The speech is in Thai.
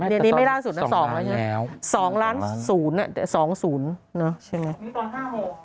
อันนี้ไม่ล่าสุดนะ๒แล้วเนี่ย๒ล้าน๐เนี่ย๒๐เนาะใช่ไหม